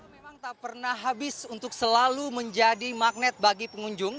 memang tak pernah habis untuk selalu menjadi magnet bagi pengunjung